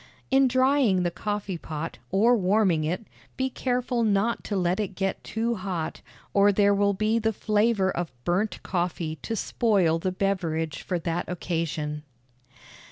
In drying the coffee pot, or warming it, be careful not to let it get too hot, or there will be the flavor of burnt coffee to spoil the beverage for that occasion.